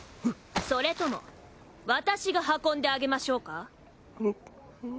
それとも私が運んであげましょうか？